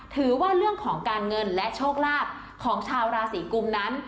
ถือว่าเป็นเรื่องของการเงินและโชคลาภของชาวราศีกุมนั้น